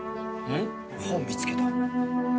本見つけた。